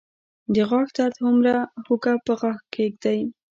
د غاښ درد لپاره هوږه په غاښ کیږدئ